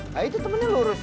nah itu temennya lurus